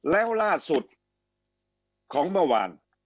แล้วล่าสุดของเมื่อวาน